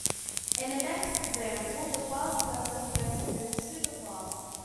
In the next example the class person gets a new superclass.